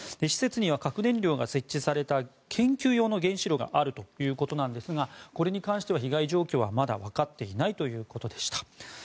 施設には核燃料が設置された研究用の原子炉があるということなんですがこれに関しては被害状況はまだ分かっていないということでした。